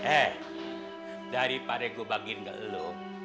eh daripada gue bagiin ke lo